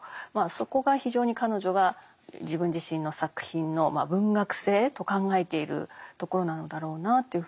そこが非常に彼女が自分自身の作品の文学性と考えているところなのだろうなというふうに思いました。